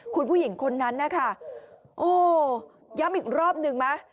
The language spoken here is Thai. คุณผู้หญิงคนนั้นนะคะโอ้ย้ำอีกรอบหนึ่งไหม